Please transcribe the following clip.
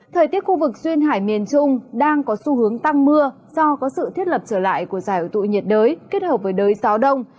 thời tiết khu vực duyên hải miền trung đang có xu hướng tăng mưa do có sự thiết lập trở lại của giải hội tụ nhiệt đới kết hợp với đới gió đông